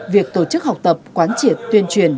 việc tổ chức học tập quán triển tuyên truyền